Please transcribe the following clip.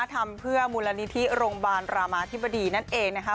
ทำเพื่อมูลนิธิโรงพยาบาลรามาธิบดีนั่นเองนะคะ